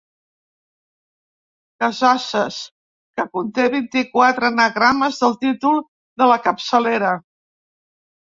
Casasses que conté vint-i-quatre anagrames del títol de la capçalera.